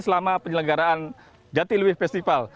selama penyelenggaraan jatiluwe festival